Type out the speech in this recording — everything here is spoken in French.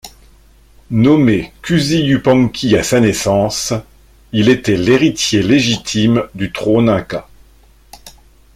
Nommé Cusi Yupanqui à sa naissance, il était l'héritier légitime du trône inca.